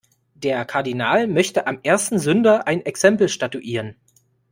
Der Kardinal möchte am ersten Sünder ein Exempel statuieren.